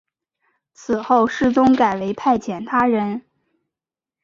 此后世宗改为派遣他人。